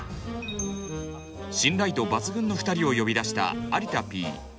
信頼度抜群の２人を呼び出した有田Ｐ。